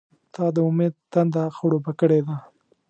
• ته د امید تنده خړوبه کړې ده.